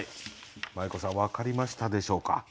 まい子さん分かりましたでしょうか。